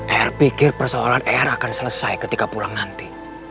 air pikir persoalan er akan selesai ketika pulang nanti